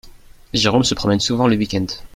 Jérôme se promène souvent le week-end.